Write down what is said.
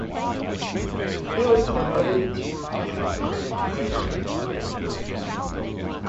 He was promoted to finance critic later in the year.